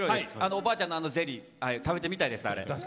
おばあちゃんのあのゼリー食べてみたいです。